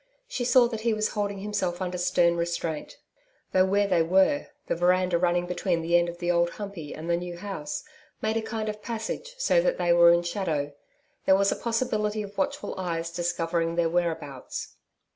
She saw that he was holding himself under stern restraint. Though where they were, the veranda running between the end of the Old Humpey and the new house, made a kind of passage so that they were in shadow, there was a possibility of watchful eyes discovering their whereabouts.